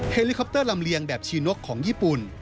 เฮลิคอปเตอร์ลำเลียงแบบชีนกของญี่ปุ่น